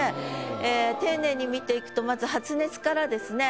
ええ丁寧に見ていくとまず「発熱」からですね。